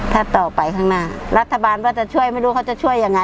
ถ้าต่อไปข้างหน้ารัฐบาลว่าจะช่วยไม่รู้เขาจะช่วยยังไง